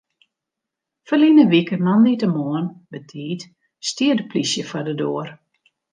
Ferline wike moandeitemoarn betiid stie de polysje foar de doar.